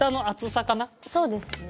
そうですね。